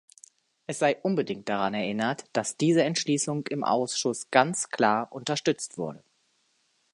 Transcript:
Es sei unbedingt daran erinnert, dass diese Entschließung im Ausschuss ganz klar unterstützt wurde.